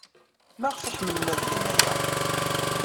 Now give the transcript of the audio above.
Maɣef ay ḥemmlen ad gen aya?